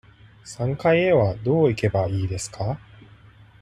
三階へはどう行けばいいですか。